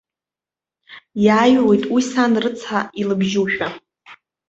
Иааҩуеит уи сан рыцҳа илыбжьушәа.